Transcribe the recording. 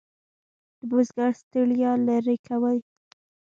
د بزګر ستړیا لرې کوي.